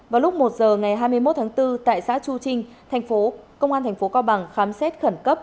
vào lúc một giờ ngày hai mươi một tháng bốn tại xã chu trinh thành phố công an thành phố cao bằng khám xét khẩn cấp